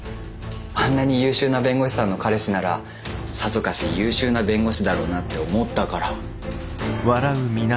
あんなに優秀な弁護士さんの彼氏ならさぞかし優秀な弁護士だろうなって思ったから。